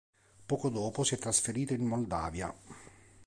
Poco dopo, si è trasferito in Moldavia.